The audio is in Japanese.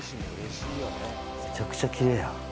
めちゃくちゃきれいや。